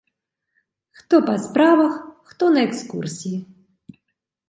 Хто па справах, хто на экскурсіі.